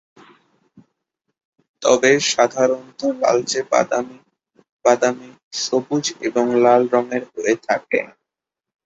তবে সাধারণত লালচে বাদামী, বাদামী, সবুজ এবং লাল রঙ এর হয়ে থাকে।